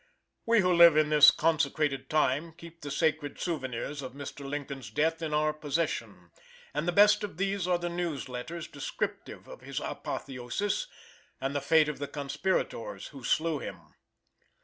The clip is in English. We who live in this consecrated time keep the sacred souvenirs of Mr. Lincoln's death in our possession; and the best of these are the news letters descriptive of his apotheosis, and the fate of the conspirators who slew him.